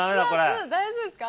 熱々大丈夫ですか？